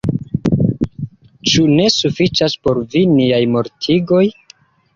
Ĉu ne sufiĉas por vi niaj mortigoj?